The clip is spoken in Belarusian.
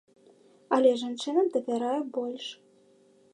Але жанчынам давяраю больш.